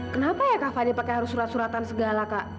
kenapa ya kak fani pakai harus surat suratan segala kak